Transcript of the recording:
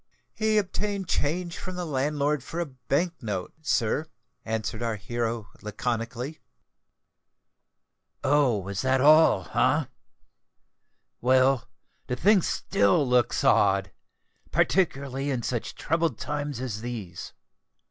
"He obtained change from the landlord for a bank note, sir," answered our hero laconically. "Oh! that was all—eh? Well—the thing still looks odd—particularly in such troubled times as these.